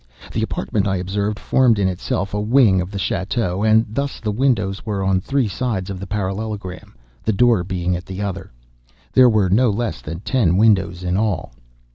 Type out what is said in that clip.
The apartment, I observed, formed, in itself, a wing of the château, and thus the windows were on three sides of the parallelogram, the door being at the other. There were no less than ten windows in all.